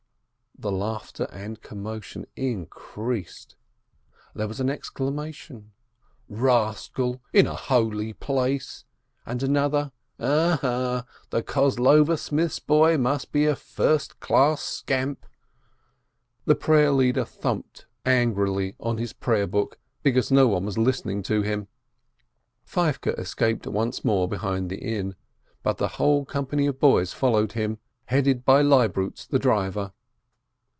The laughter and commotion increased; there was an exclamation : "Rascal, in a holy place I" and another: "Aha! the Kozlover smith's boy must be a first class scamp !" The prayer leader thumped angrily on his prayer book, because no one was listening to him. Feivke escaped once more behind the inn, but the whole company of boys followed him, headed by Leib rutz the driver.